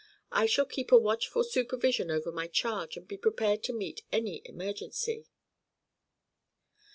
I shall keep a watchful supervision over my charge and be prepared to meet any emergency."